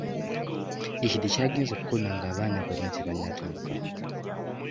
Ekide ky'agenze okukoona nga abaana bonna tebannatuuka.